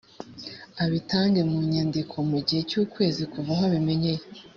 abitange mu nyandiko mu gihe cy’ukwezi kuva aho abimenyeye